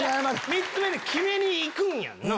３つ目で決めに行くんやんな。